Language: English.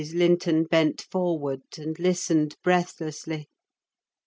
Linton bent forward, and listened breathlessly.